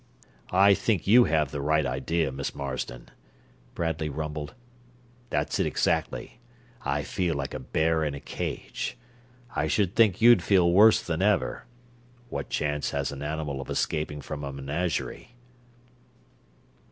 "I think you have the right idea, Miss Marsden," Bradley rumbled. "That's it, exactly. I feel like a bear in a cage. I should think you'd feel worse than ever. What chance has an animal of escaping from a menagerie?"